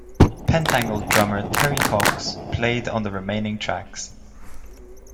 Pentangle drummer Terry Cox played on the remaining tracks.